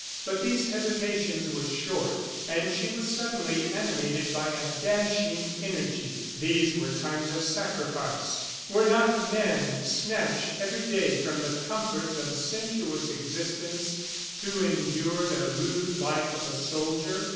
But these hesitations were short, and she was suddenly animated by a dashing energy. These were times of sacrifice. Were not the men snatched every day from the comforts of sensuous existence to endure the rude life of a soldier?